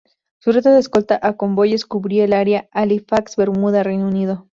Su ruta de escolta a convoyes cubría el área Halifax-Bermuda-Reino Unido.